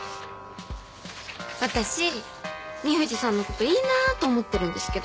私二藤さんのこといいなぁと思ってるんですけど。